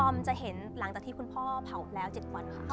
จะเห็นหลังจากที่คุณพ่อเผาแล้ว๗วันค่ะ